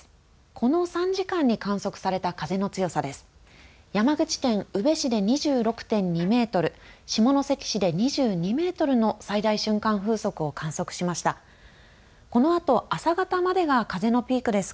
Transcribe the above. この３時間に観測された風の強さです。